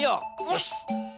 よし。